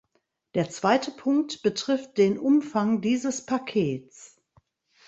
Der zweite Punkt betrifft den Umfang dieses Pakets.